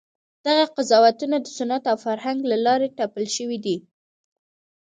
دغه قضاوتونه د سنت او فرهنګ له لارې تپل شوي دي.